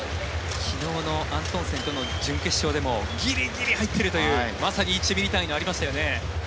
昨日のアントンセンとの準決勝でもギリギリ入っているというまさに１ｍｍ単位がありましたよね。